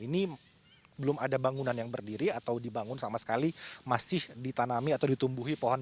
ini belum ada bangunan yang berdiri atau dibangun sama sekali masih ditanami atau ditumbuhi pohon